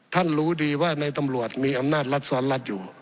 รู้ดีว่าในตำรวจมีอำนาจรัฐซ้อนรัฐอยู่